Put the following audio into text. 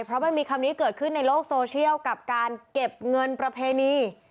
เพราะมันมีคำนี้เกิดขึ้นในโลกโซเชียลกับการเก็บเงินประเพณี